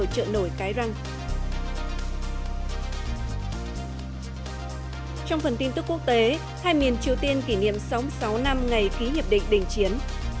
trong phần tin tức quốc tế hai miền triều tiên kỷ niệm sáu năm ngày ký hiệp định đình chiến